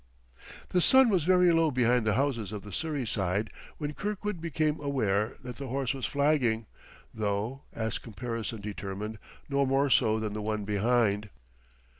The sun was very low behind the houses of the Surrey Side when Kirkwood became aware that their horse was flagging, though (as comparison determined) no more so than the one behind.